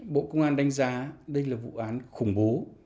bộ công an đánh giá đây là vụ án khủng bố